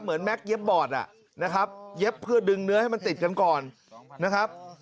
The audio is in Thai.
แม็กเย็บบอร์ดนะครับเย็บเพื่อดึงเนื้อให้มันติดกันก่อนนะครับ